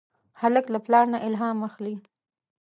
هلک له پلار نه الهام اخلي.